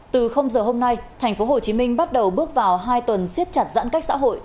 từ giờ hôm nay thành phố hồ chí minh bắt đầu bước vào hai tuần siết chặt giãn cách xã hội